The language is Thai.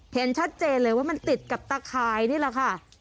เห็นชัดเจนเลยว่ามันติดกับตะข่ายนี่แหละค่ะ